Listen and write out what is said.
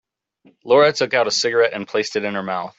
Laura took out a cigarette and placed it in her mouth.